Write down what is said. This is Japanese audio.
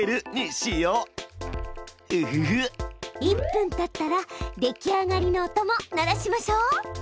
１分たったらできあがりの音も鳴らしましょう。